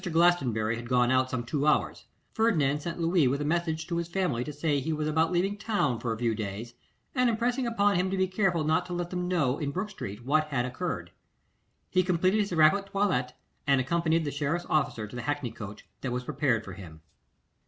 Glastonbury had gone out some two hours; Ferdinand sent Louis with a message to his family, to say he was about leaving town for a few days; and impressing upon him to be careful not to let them know in Brook street what had occurred, he completed his rapid toilet and accompanied the sheriff's officer to the hackney coach that was prepared for him.